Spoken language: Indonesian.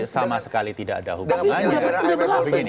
sama sekali tidak ada hubungannya